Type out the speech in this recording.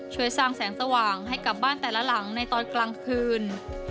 ช่วยสร้างแสงสว่างให้กับบ้านแต่ละหลังในตอนกลางคืน